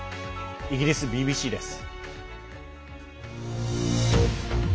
イギリスＢＢＣです。